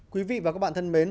quý vị và các bạn thân mến